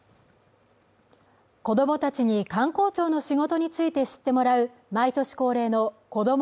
子どもたちに官公庁の仕事について知ってもらう毎年恒例のこども